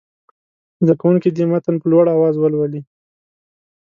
زده کوونکي دې متن په لوړ اواز ولولي.